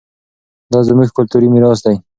دا زموږ کلتوري ميراث دی.